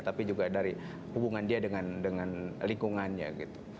tapi juga dari hubungan dia dengan lingkungannya gitu